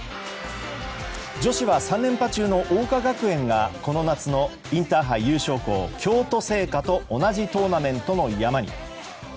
女子は３連覇中の桜花学園がこの夏のインターハイ優勝校京都精華と同じトーナメントの山に。